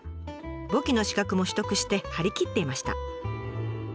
簿記の資格も取得して張り切っていました。